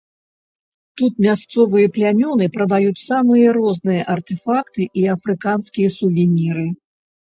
Тут мясцовыя плямёны прадаюць самыя розныя артэфакты і афрыканскія сувеніры.